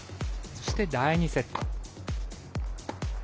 そして、第２セット。